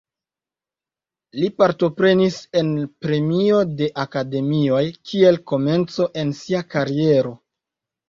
Li partoprenis en premio de akademioj kiel komenco en sia kariero.